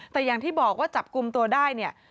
แต่อย่างที่บอกว่าจับกลุ่มตัวได้เนี่ย